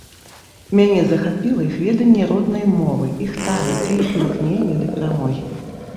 Мяне захапіла іх веданне роднай мовы, іх талент і іх імкненне да перамогі.